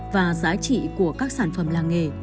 và giá trị của các sản phẩm làng nghề